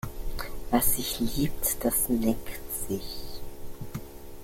Was sich liebt, das neckt sich.